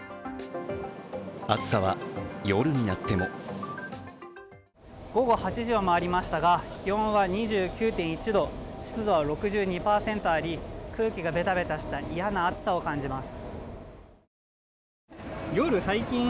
暑さは夜になっても午後８時を回りましたが気温は２９．１度湿度は６２％あり、空気がベタベタした嫌な暑さを感じます。